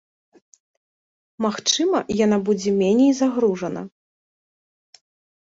Магчыма яна будзе меней загружана.